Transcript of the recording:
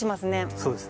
そうですね。